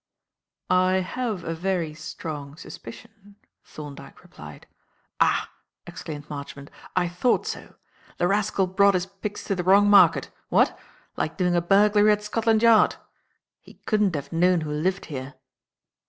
"I have a very strong suspicion," Thorndyke replied. "Ah!" exclaimed Marchmont, "I thought so. The rascal brought his pigs to the wrong market. What? Like doing a burglary at Scotland Yard. He couldn't have known who lived here.